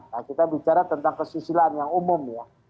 nah kita bicara tentang kesusilaan yang umum ya